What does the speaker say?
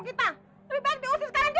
lebih baik diusir sekarang juga